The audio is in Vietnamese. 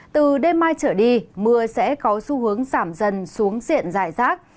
từ đêm mai trở đi mưa sẽ có xu hướng giảm dần xuống diện dài rác